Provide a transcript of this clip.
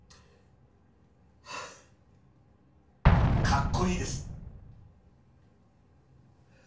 かっこいいです。